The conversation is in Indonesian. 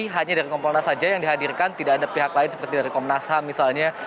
hanya dari kompolnas saja yang dihadirkan tidak ada pihak lain seperti dari komnas ham misalnya